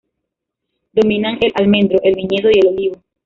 Dominan el almendro, el viñedo y el olivo.